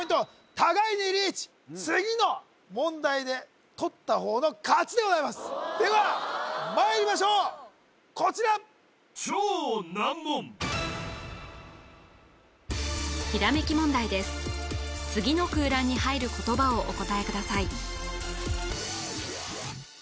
互いにリーチ次の問題でとったほうの勝ちでございますではまいりましょうこちら次の空欄に入る言葉をお答えください